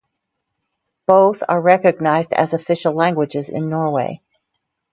Both are recognized as official languages in Norway.